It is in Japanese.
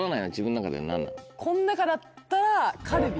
この中だったらカルビ。